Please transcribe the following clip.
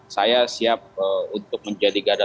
saya siap untuk menjadi gadat terbang